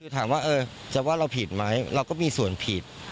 ถามว่าจะว่าเราผิดไหมเราก็มีส่วนผิด